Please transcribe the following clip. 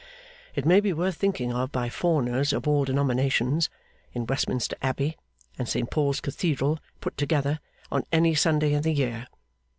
It may be worth thinking of by Fawners of all denominations in Westminster Abbey and Saint Paul's Cathedral put together, on any Sunday in the year.